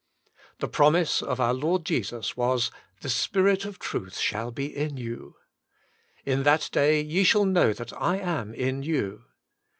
'' The promise of our Lord Jesus was " The Spirit of truth Shall Be in You. In that day ye shall know that I Am IN You.